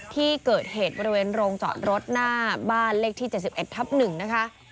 ที่เกิดเหตุบริเวณโรงจอดรถหน้าบ้านเลขที่๗๑ทับ๑นะคะ